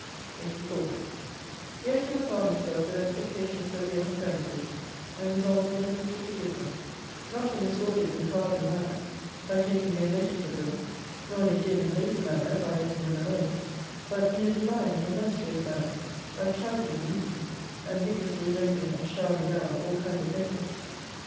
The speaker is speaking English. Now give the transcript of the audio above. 84 Yet you must arm yourself with expectations of their infirmities, and resolve nobly to forgive them : not in a sordid and cowardly manner, by taking no notice of them, nor in a dim and lazy manner, by letting them alone: but in a divine and illustrious manner by chiding them meekly, and vigourously rendering and showering down all kind of benefits.